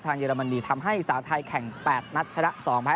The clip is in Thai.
ทางเยอรมนีทำให้สาวไทยแข่ง๘นัดชนะ